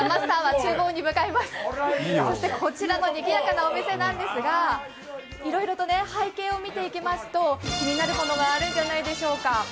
こちらのにぎやかなお店なんですが背景を見ていきますと気になるものがあるんじゃないでしょうか。